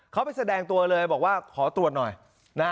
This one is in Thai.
เขาไปแสดงตัวเลยบอกว่าขอตรวจหน่อยนะ